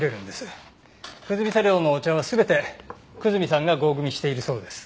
久住茶寮のお茶は全て久住さんが合組しているそうです。